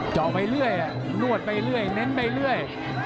เจาะไปเรื่อยนวดไปเรื่อยเน้นไปเรื่อย